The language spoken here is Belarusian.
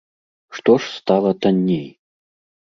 Што ж стала танней?